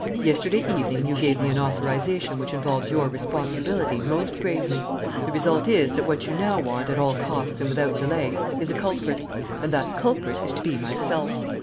Yesterday evening you gave me an authorization which involves your responsibility most gravely. The result is that what you now want, at all costs and without delay, is a culprit. And that culprit is to be myself.